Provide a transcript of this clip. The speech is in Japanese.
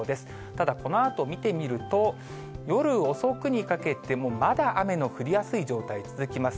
ただ、このあと見てみると、夜遅くにかけても、まだ雨の降りやすい状態続きます。